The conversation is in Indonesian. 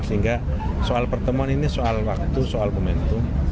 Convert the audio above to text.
sehingga soal pertemuan ini soal waktu soal momentum